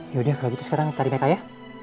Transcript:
yaudah kalau gitu sekarang tarik meka ya